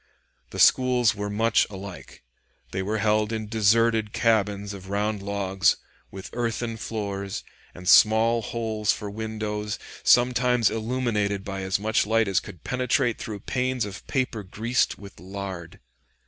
The schools were much alike. They were held in deserted cabins of round logs, with earthen floors, and small holes for windows, sometimes illuminated by as much light as could penetrate through panes of paper greased with lard.